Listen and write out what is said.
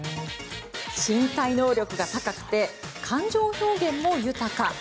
身体能力が高く感情表現も豊か。